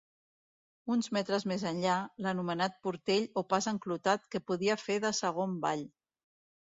Uns metres més enllà, l'anomenat Portell o pas enclotat que podia fer de segon vall.